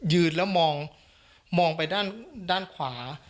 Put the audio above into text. ยืนแล้วมองไปด้านขวา